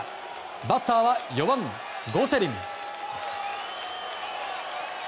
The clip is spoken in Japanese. バッターは４番、ゴセリン。